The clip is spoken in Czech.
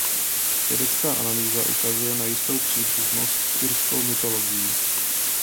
Vědecká analýza ukazuje na jistou příbuznost s irskou mytologií.